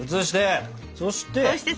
そして。